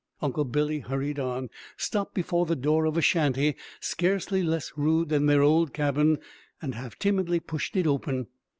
Uncle Billy hurried on, stopped before the door of a shanty scarcely less rude than their old cabin, and half timidly pushed it open.